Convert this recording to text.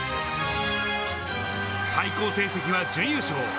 最高成績は準優勝。